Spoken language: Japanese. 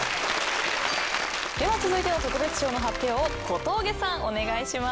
では続いての特別賞の発表を小峠さんお願いします。